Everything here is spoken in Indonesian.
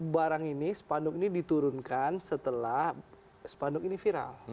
barang ini sepanduk ini diturunkan setelah sepanduk ini viral